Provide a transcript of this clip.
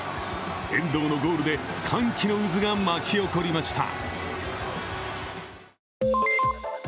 遠藤のゴールで歓喜の渦が巻き起こりました。